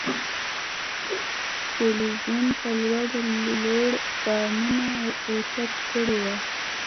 د پلورالېزم په لور لومړ ګامونه اوچت کړي وو.